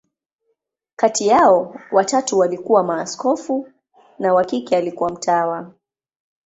Kati yao, watatu walikuwa maaskofu, na wa kike alikuwa mtawa.